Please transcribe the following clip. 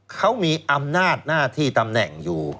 เขามีอำนาจหน้าที่ตำแหน่งอยู่